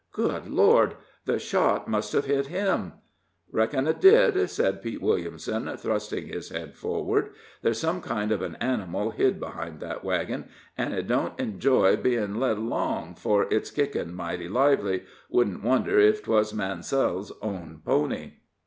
Good Lord! The shot must have hit him!" "Reckon it did," said Pete Williamson, thrusting his head forward; "there's some kind of an animal hid behind that wagon, an' it don't enjoy bein' led along, for it's kickin' mighty lively shouldn't wonder if 'twas Mansell's own pony."